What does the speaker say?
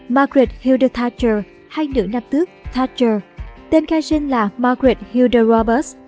margaret hilda thatcher hay nữ nạp tước thatcher tên khai sinh là margaret hilda roberts